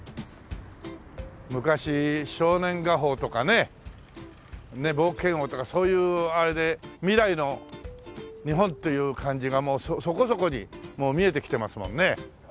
昔『少年画報』とかね『冒険王』とかそういうあれで未来の日本っていう感じがもうそこそこに見えてきてますもんね。